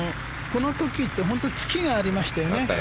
この時って本当にツキがありましたよね。